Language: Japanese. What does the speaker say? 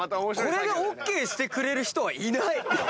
これでＯＫしてくれる人はいない！